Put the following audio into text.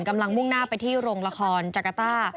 กำลังมุ่งหน้าไปที่โรงละครจากาต้า